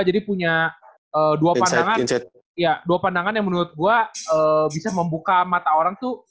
jadi punya dua pandangan yang menurut gue bisa membuka mata orang tuh